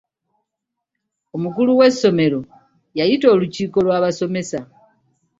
Omukulu w'essomero yayita olukiiko lw'abasomesa.